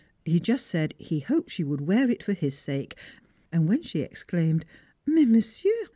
He just said he hoped she would wear it for his sake; and when she exclaimed, "Mais, monsieur!